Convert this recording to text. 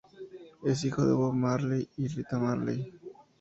Es hijo de Bob Marley y Rita Marley.